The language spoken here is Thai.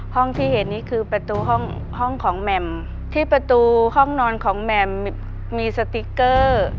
ห้องที่เห็นนี่คือประตูห้องห้องของแหม่มที่ประตูห้องนอนของแหม่มมีสติ๊กเกอร์